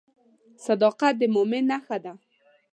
صداقت د مؤمن نښه ده.